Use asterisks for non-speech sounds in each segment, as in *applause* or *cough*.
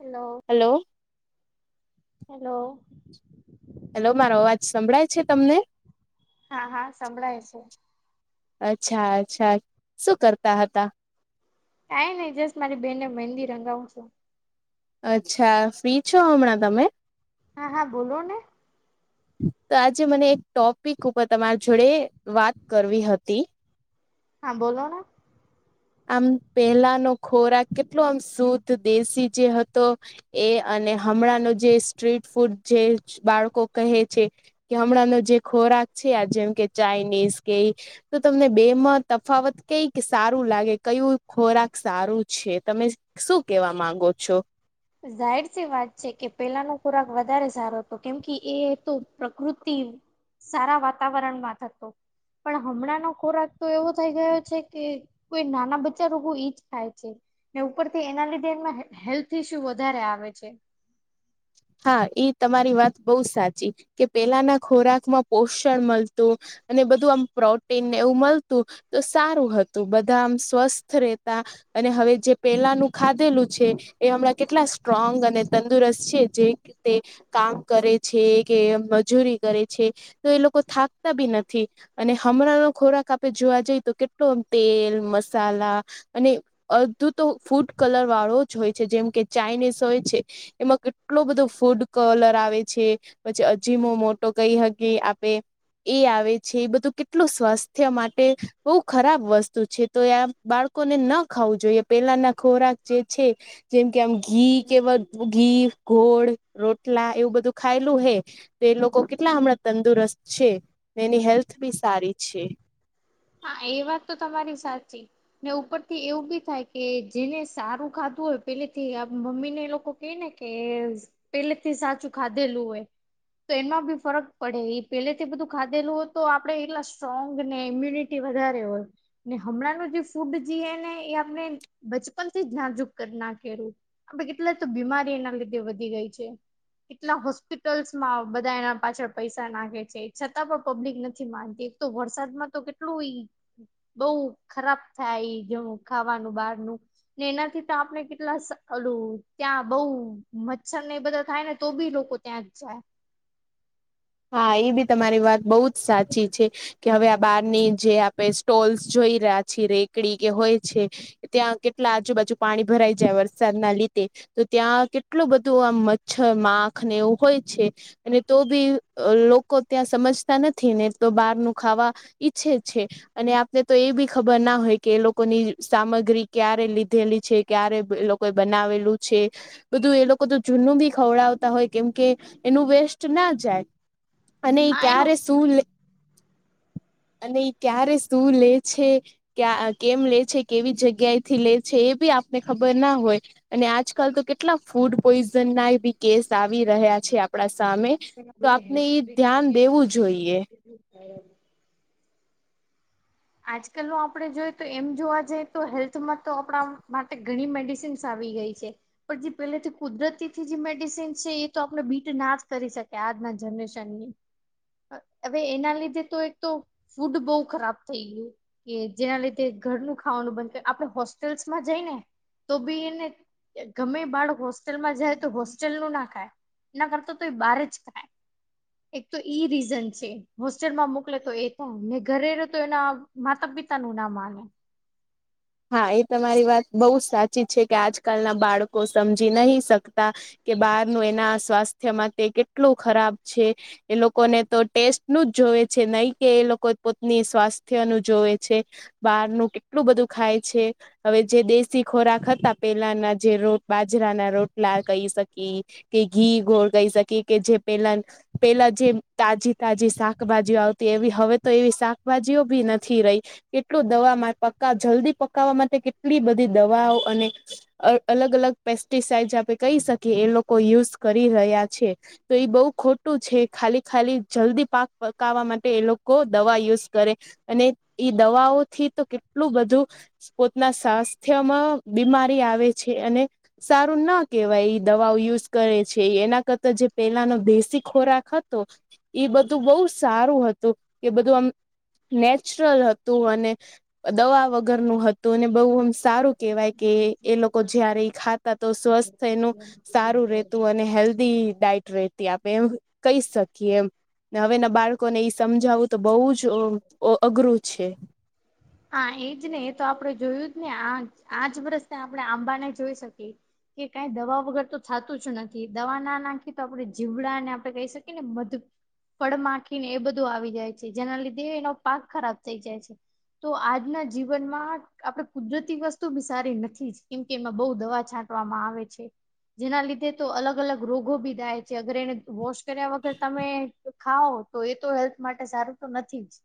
Hello hello hello hello મારો અવાજ સંભળાય છે તમને? હા હા સંભળાય છે. અચ્છા અચ્છા શું કરતા હતા? કઈ નઈ જસ્ટ મારી બેનને મહેંદી રંગાવું છું. અચ્છા ફ્રી છો હમણાં તમે? હા હા બોલો ને તો આજે મને એક ટોપિક ઉપર તમારી જોડે વાત કરવી હતી. હા બોલો આમ પહેલાનો ખોરાક કેટલો આમ શુદ્ધ દેશી જે હતો એ અને હમણાંનો જે સ્ટ્રીટ ફૂડ જે બાળકો કહે છે. કે હમણાંનો જે ખોરાક છે જેમ કે ચાાઈનીઝ કે તો તમને બે માં તફાવત કઈક સારું લાગે કયું ખોરાક સારું છે? તમે શું કેવા માંગો છો? જાહીર છે વાત છે કે પેલાનો ખોરાક વધારે સારો હતો કેમ કે એ હતો પ્રકૃતિ સારા વાતાવરણમાં થતો પણ હમણાંનો ખોરાક તો એવો થઈ ગયો છે કે કોઈ નાના બચ્ચા રોગો ઈજ થાય છે ને ઉપરથી એના લીધે એ હેલ્થ શું વધારે આવે છે. હા ઈ તમારી વાત બહુ સાચી કે પેલાના ખોરાક માં પોષણ મળતું અને બધું આમ પ્રોટીન એવું મળતું તો સારું હતું બધા આમ સ્વસ્થ રહેતા અને હવે જે પેલાનું ખાધેલું છે એ હમણાં કેટલા સ્ટ્રોંગ અને તંદુરસ્ત છે. જે રીતે કામ કરે છે કે મજૂરી કરે છે. તો એ લોકો થાકતા બી નથી. અને હમણાંનોો ખોરાક આપણે જોવા જઈએ તો કેટલોમ તેલ મસાલા અને અડધું તો ફૂડ કલર વાળો જ હોય છે જેમ કે ચાાઈનીઝ હોય છે એમાં એટલો બધો ફૂડ કલર આવે છે પછી અજીમો મોટો કઈ હકી આપે એ આવે છે એ બધું કેટલું સ્વાસ્થ્ય માટે બહુ ખરાબ વસ્તુ છે તો આ બાળકોને ન ખાવું જોઈએ પેલાના ખોરાક જે છે જેમ કે આમ ઘી કે ઘી ઘોળ રોટલા એવું બધું ખાયલું હે તો એ લોકો કેટલા હમણાં તંદુરસ્ત છે એની હેલ્થ બી સારી છે. હા એ વાત તો તમારી સાચી. ને ઉપર થી એવું બી થાય કે જેને સારું ખાધું હોય પેલેથી મમ્મી ને લોકો એ ને કે પેલેથી સાચું ખાધેલું હોય તો એમાં બી ફરક પડે એ પેલેથી બધું ખાધેલું હોય તો આપડણે એટલા સ્ટ્રોંગ ને ઇમ્યુનિટી વધારે હોય ને હમણાં ન જે ફૂડ જે એ ને એ આપણે બચપનથી નાજુક નાખું આપ કેટલા તો બીમારી એના લીધે વધી ગઈ છે કેટલા હોસ્પિટલ્સ બધા એના પાછળ પૈસા નાખે છે છતાં પણ પબ્લિક નથી માનતી એક તો વરસાદ માં તો કેટ એટલું બઉ ખરાબ થાય જેું ખાવાનું બહારનું ને એનાથી તો આપણે કેટલા ઓલું ત્યાં બઉ મચ્છર ને એ બધા થાય ને તો બી લોકો ત્યા જાય હા એ બી તમારી વાત બહુ જ સાચી છે. કે હવે આ બહારની જે આપણે સ્ટોલ્સ જોઈ રહ્યા છીએ રેકડી કે હોય છે. ત્યાં કેટલા આજુબાજુ પાણી ભરાઈ જાય વરસાદ ના લીધે તો ત્યાં કેટલું બધું આમ મચ્છર માખ ને એવું હોય છે, અને તો બી અ લોકો ત્યાં સમજતા નથી ને તો બહારનું ખાવા ઈચ્છે છે. અને આપને તો એ બી ખબર ના હોય કે એ લોકોની સામગ્રી ક્યારે લીધેલી છે. ક્યારે એ લોકોએ બનાવેલું છે. બધું એ લોકો તો જૂનું બી ખવડાવતા હોય કેમકે એનું વેસ્ટ ના જાય અને એ હા ક્યારે એનું શું લે અને *unintelligible* એઈ ક્યારે સુું લે છે કે આ કેમ લે છે, કેવી જગ્યાએથી લે છે, એ બી આપને ખબર ના હોય અને આજકાલ તો કેટલા ફૂડ પોઈઝનનાય બી કેસ આવી રહ્યા છે આપડા સા જોઈએ *inaudible* આજકાલનું આપણે જોઈએ તો એમ જોવા જઈએ તો હેલ્થમાં તો આપણા માટે ઘણી મેડિસિન સીન્સ આવી ગઈ છે, પણ જે પેહલેથી કુદરતીથી જે મેડિસન છે એ તો આપણે બીટ ના જ કરી શક એ આજના જનરેશનની. હવે એના લીધે તો એક તો ફૂડ બહુ ખરાબ થઈ ગયું. કે જેના લીધે ઘરનું ખાવાનું બંધ કર. આપણે હોસ્ટેલ્સમાં જઈને તો ભી એને ગમે બાળક હોસ્ટેલમાં જાય તો હોસ્ટેલનું ન ખાય એના કરતા તો એ બાર જ ખાઇ. એક તો ઈ રીઝન છે. હોસ્ટેલમાં મોકલે તો એ થાય, ને ઘરે તો એના માતા પિતાનું ના માને. હા! એ તમારી વાત બહુ જ સાચી છે, કે આજકાલના બાળકો સમજી નહી શકતા કે બહારનું એના સ્વાસ્થ્ય માટે કેટલુ ખરાબ છે. એ લોકોને તો ટેસ્ટનું જ જોવે છે, નહી કે એ લોકો પોતની સ્વાસ્થ્યનું જોવે છે બહારનું કેટલું બધું ખાય છે. હવે જે દેશી ખોરાક હતા પેલાના જે રોટ બાજરાના રોટલા કહી શકીએ કે ઘી ગોળ કહી શકીએ કે જે પહેલાં પેહલા જે તાજી તાજી શાકભાજીઓ આવતી, એવી હવે તો એવી શાકભાજીઓ બી નથી રહી કેટલું દવામાં પકાવ જલ્દી પકાવવા માટે કેટલી બધી દવાઓ અને અ અલગ અલગ પેસ્ટિસાઈજ આપે કહી શકીએ એ લોકો યુઝ કરી રહ્યા છે. તો એ બહુ ખોટું છે. ખાલી ખાલી જલ્દી પાક પકાવા માટે એ લોકો દવા યુઝ કરે અને ઈ દવાઓથી તો કેટલું બધું પોતના સ્વાસ્થ્યમાં બીમારી આવે છે અને સારું ન કેહેવાય એ દવાઓ યુઝ કરે છે. એના કરતા જે પેલાનો દેશી ખોરાક હતો એ બધું બઉ સ સારું હતું. એ બધું આમ નેચરલ હતું અને દવા વગરનું હતું અને બહુ એમ સારું કહેવાય કે એ લોકો જયારે ઇ ખાતા તો સ્વસ્થ એનું સારું રહેતું, અને હેલ્ધી ડાયટ રહેતી આ બે એમ કહી શકીએ એમ. ને હવેના બાળકોને એ સમજાવું તો બહુ જ અ અ અઘરું છે. હા, એ જ ને. એ તો આપડે જોયું જ ને. આ આજ વરસ આપડણે આંબાનાય જોઈ શકીએ. કે કંઈ દવા વગર તો થતું જ નથી. દવા ના નાખી તો આપણે જીવડાને આપડે કહી શકીએ ને મધ ફળ માખીને એ બધું આવી જાય છે, જેના લીધે એનો પાક ખરાબ થઈ જાય છે. તો આજના જીવનમાં આપડે કુદરતી વસ્તુ બી સારી નથી જ. કેમ કે એમાં બઉ દવા છા ટવામાં આવે છે. જેના લીધે તો અલગ અલગ રોગો બી દાય છે અગર એને વોશ કર્યા વગર તમે ખાઓ, તો એ તો હેલ્થ માટે સારું તો નથી જ.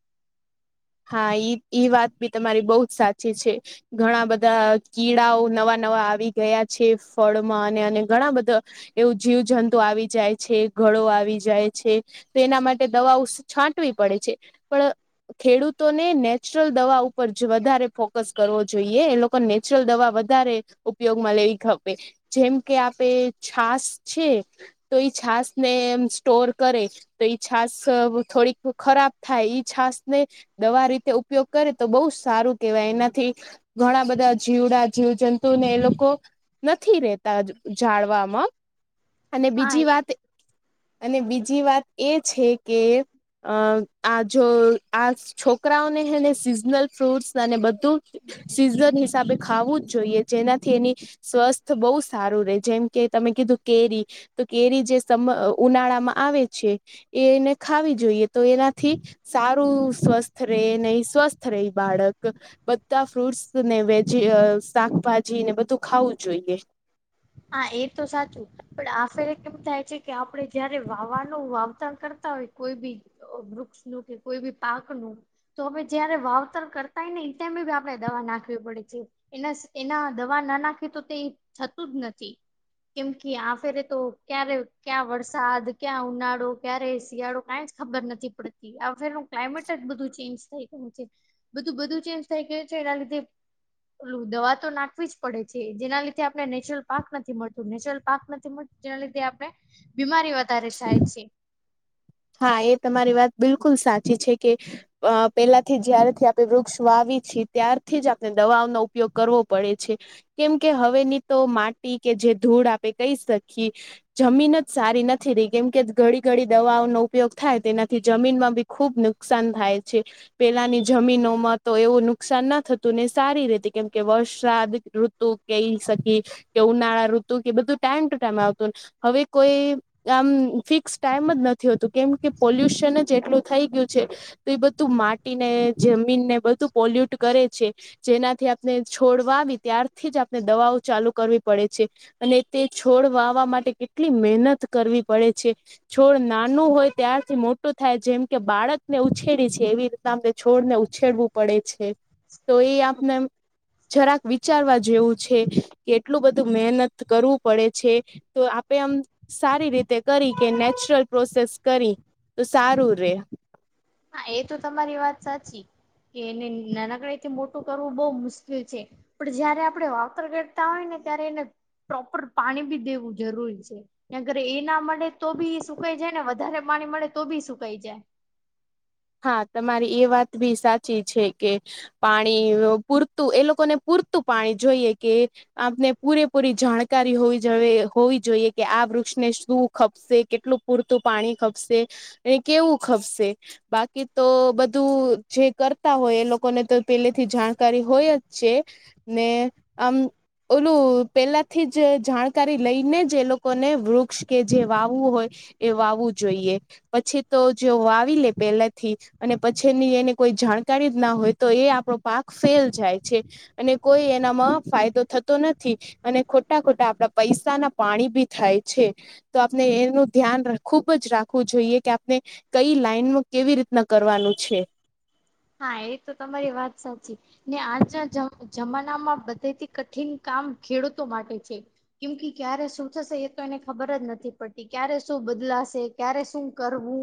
હા ઈ ઈ વાત બી તમારી બહુ જ સાચી છે. ઘણા બધા કીડાઓ નવા નવા આવી ગયા છે, ફળમાં અને અને ઘણા બધા એવું જીવજંતુ આવી જાય છે, ઘળો આવી જાય છે, તો એના માટે દવાઓ છાંટવી પડે છે. પણ ખેડૂતોને નેચરલ દવા ઉપર વધારે ફોકસ કરવો જોઈએ. એ લોકોને નેચરલ દવા વધારે ઉપયોગમાં લેવી ખપે. જેમ કે, આપે છાસ છે. તો એ છાસ ને એ સ્ટોર કરે તો ઈ છાસ થોડીક ખરાબ થાય ઈ છાસ ને દવા રીતે ઉપયોગ કરે તો બહુ સારું કેવાય એનાથી ઘણા બધા જીવડા જીવજંતુને એ લોકો નથી રહેેતા જાળવામાં. અને હા બીજી વાત. અને બીજી વાત એ છે કે, અ આ જો આ છોકરાઓને હેને સિઝનલ ફ્રૂટસ અને બધું સીઝન હિસાબે ખાવું જ જોઈએ, જેનાથી એની સ્વસ્થ બહુ સારું રે. જેમ કે, તમે કીધું કેરી તો કેરી જે સમ ઉનાળામાં આવે છે એને ખાવી જોઈએ તો એનાથી સાાર ું સ્વસ્થ ર નહીિ સ્વસ્થ ર બાળક બધા ફ્રૂટ્સ ને વેજી શાકભાજી ને બધું ખાવું જોઈએ હા એ તો સાચું પણ આફેરે કેમ થાય છે કે આપડે જયારે વાવાનું વાવતર કરતા હોય કોઈ બી વૃક્ષ ન કે કોઈ બી પાકનુંું તો આપે જયારે વાવેતર કરતાય ને તેમી આપડે દવા નાખવી પડે છે એના સ એના દવા ના નાખે તો તે થતું જ નથી. કેમ કે આ ફેરે તો ક્યારે ક્યા વરસાદ ક્યાં ઉનાળો ક્યારે શિયાળો કં ખબર નથી પડતી આ ફેરનું ક્લાઇમેટ જ બધું ચેન્જ થઈ ગયું છે બધું બધું ચેન્જ થઈ ગયું છે એના લીધે લું દવા તો નાખવી જ પડે છે જેના લીધે ને નેચરલ પાક નથી મળતું નેચરલ પાક નથી મળતું જેના લીે આપણે બીમારી વધારે થાય છે હા એ તમારી વાત બિલકુલ સાચી છે કે અ પેલાથી જ્યારથી આપણે વૃક્ષ વાવી છીએ ત્યારથી જ આપણે દવાઓનોો ઉપયોગ કરવો પડે છે કેમ કે હવેની તો માટી કે જે ધૂળ આપણે કહી શકીીએ જમીન જ સારી નથી રહી કેમ કે ઘડી ઘડી દવાઓ ન ઉપયોગ થાય તેનાથી જામીન માં બી ખૂબ નુકસાન થાય છે પેલાની જમીનોમાં તો એવું નુકસાન ના થતું ને સારી રેતી કેમ કે વરસાદ ઋતુ કઈ શકી કે ઉનાળા ઋતુ કે બધું ટાઈમ ટુ ટાઈમ આવતું હવે કોઈ આમ ફિક્સ ટાઈમ જ નથી હોતું. કેમ કે પોલ્યુશન જ એટલું થઈ ગીયું છે તો એ બધું માટી ને જમીન ને બધું પોલ્યુટ કરે છે. જેનાથી આપણે છોડ વાવી ત્યારથી જ આપણે દવાઓ ચાલુ કરવી પડે છે. અને તે છોડ વાવા માટે કેટલી મહેનત કરવી પડે છે છોડ નાનું હોય ત્યારથી મોટું થાય જેમ કે બાળકને ઉછેરી છે એવી રીતના અમને છોડને ઉછેરવું પડે છે. તો એ આપને એમ જરાક વિચારવા જેવું છે કે એટલું બધું મહેનત કરવું પડે છે તો આપે આમ સારી રીતે કરી કે નેચરલ પ્રોસેસ કરી તો સારું રે. હા, એ તો તમારી વાત સાચી. કે એને નાનકડે થી મોટું કરવું બઉવ મુશ્કેલ છે. પણ જયારે આપડણે વાપર કરતા હોય ને ત્યારે એને પ્રોપર પાણી બી દેવું જરૂરી છે. અગર એ ના મળે તો બી એ સુકાઈ જાય ને વધારે પાણી મળે તો બી સુકાઈ જાય હા, તમારી એ વાત બી સાચી છે કે પાણી પૂરતું એ લોકોને પૂરતું પાણી જોઈએ કે આપને પૂરેપૂરી જાણકારી હોવી જવે હોવી જોઈએ કે આ વૃક્ષને શું ખપશે કેટલું પૂરતું પાણી ખપશે અને કેવું ખપશે? બાકી તો બધું જે કરતા હોય એ લોકોને તો પેલેથી જાણકારી હોય જ છે. ને આમ ઓલું પેલાથી જ જાણકારી લઈને જ એ લોકોને વૃક્ષ કે જે વાવવું હોય એ વાવું જોઈએ પછી તો જો વાવી લે પેલાથી જ અને પછી એની એને કોઈ જાણકારી જ ના હોય તો એ આપણો પાક ફેલ જાય છે. અને કોઈ એનામાં ફાયદો થતો નથી. અને ખોટા ખોટા આપડા પૈસા ના પાણી ભી થાય છે. તો આપણે એનું ધ્યાન ખુબ જ રાખવું જોઈએ કે આપણે કઈ લાઈન કેવી રીતના કરવાનું છે. હા, એ તો તમારી વાત સાચી. ને આજના જમ જમાનામાં બધેથી કઠિન કામ ખેડૂતો માટે છે. કેમ કે ક્યારે શું થશે એ તો એને ખબર જ નથી પડતી ક્યારે શું બદલાશે? ક્યારે શું કરવું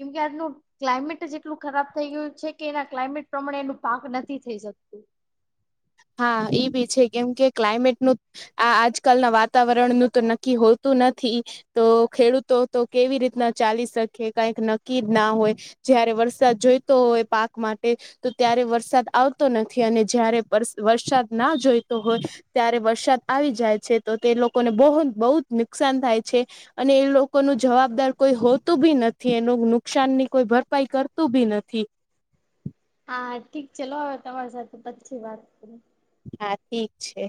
કેમ કે આજનું ક્લાઇમેટ જ એટલું ખરાબ થઈ ગયું છે. કે એના ક્લાઇમેટ પ્રમાણે એનું પાક નથી થઈ શકતું. હા, એ બી છે કેમ કે ક્લાયમેટ નું આ આજકાલના વાતાવરણનું તો નક્કી હોતું નથી. તો ખેડૂતો તો કેવી રીતના ચાલી શકે કઈક નક્કી જ ના હોય. જયારે વરસાદ જોઈતો હોય પાક માટે તો ત્યારે વરસાદ આવતો નથી અને જયારે વર્સ વરસાદ ના જોઈતો હોય ત્યારે વરસાદ આવી જાય છે તો તે લોકોને બહુ બહુ જ નુકસાન થાય છે. અને એ લોકો નો જવાબદાર કોઈ હોતું બી નથી એનું નુકસાન ની કોઈ ભરપાઈ કરતું બી નથી. હા, હા ઠીક છે લો હવે તમારી સાથે પછી વાત કરું. હા, ઠીક છે.